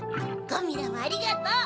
ゴミラもありがとう！